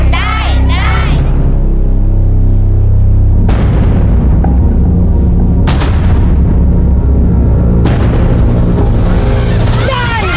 ได้ครับ